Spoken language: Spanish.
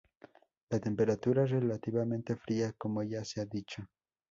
La temperatura relativamente fría, como ya se ha dicho.